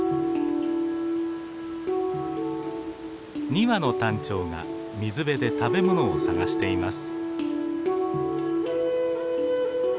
２羽のタンチョウが水辺で食べ物を探しています。